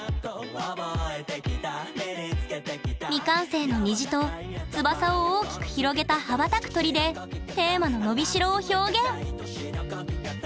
未完成の虹と翼を大きく広げた羽ばたく鳥でテーマの「のびしろ」を表現！